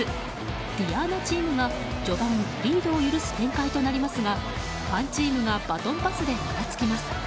ｄｉａｎａチームが序盤、リードを許す展開となりますがファンチームがバトンパスでもたつきます。